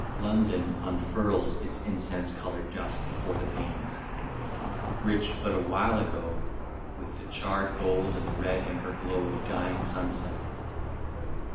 London unfurls its incense coloured dusk Before the panes, rich but a while ago With the charred gold and the red ember glow Of dying sunset.